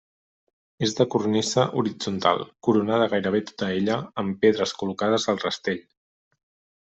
És de cornisa horitzontal coronada gairebé tota ella, amb pedres col·locades al rastell.